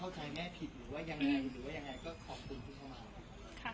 เข้าใจแม่ผิดหรือยังไงหรือยังไงก็ขอบคุณผู้ชมครับ